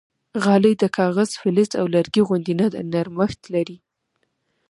غالۍ د کاغذ، فلز او لرګي غوندې نه ده، نرمښت لري.